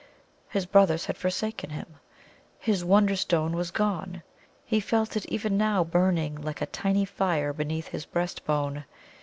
His brothers had forsaken him. His Wonderstone was gone. He felt it even now burning like a tiny fire beneath his breast bone.